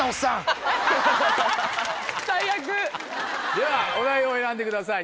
ではお題を選んでください。